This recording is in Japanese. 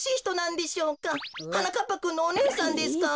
はなかっぱくんのおねえさんですか？